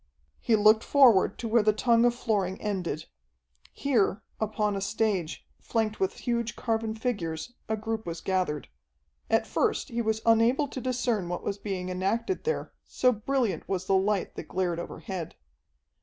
He looked forward to where the tongue of flooring ended. Here, upon a stage, flanked with huge carven figures, a group was gathered. At first he was unable to discern what was being enacted there, so brilliant was the light that glared overhead.